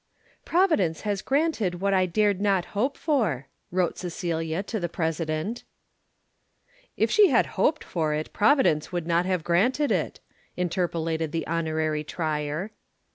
"Providence has granted what I dared not hope for," wrote Cecilia to the President. "If she had hoped for it, Providence would not have granted it," interpolated the Honorary Trier.